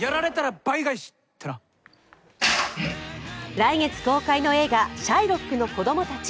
来月公開の映画「シャイロックの子供たち」。